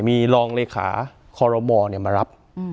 มีรองเลขาคอรมอลมารับ